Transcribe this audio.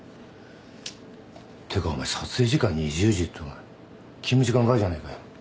ってかお前撮影時間２０時って勤務時間外じゃねえかよ。